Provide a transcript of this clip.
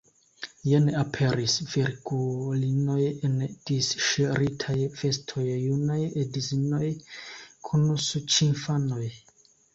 Jen aperis virgulinoj en disŝiritaj vestoj, junaj edzinoj kun suĉinfanoj.